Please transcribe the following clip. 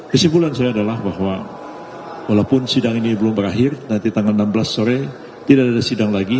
kesimpulan saya adalah bahwa walaupun sidang ini belum berakhir nanti tanggal enam belas sore tidak ada sidang lagi